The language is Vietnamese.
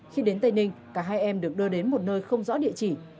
khi đến tây ninh cả hai em được đưa đến một nơi không rõ địa chỉ